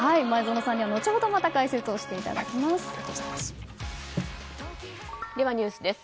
前園さんには後ほどまた解説をしていただきます。